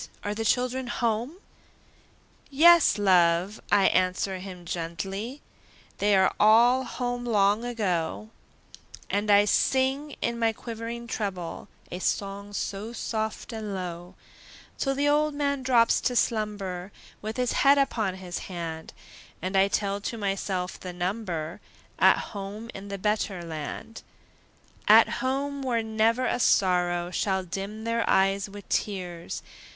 are the children home?" "Yes, love!" I answer him gently, "They're all home long ago;" And I sing, in my quivering treble, A song so soft and low, Till the old man drops to slumber, With his head upon his hand, And I tell to myself the number At home in the better land. At home, where never a sorrow Shall dim their eyes with tears!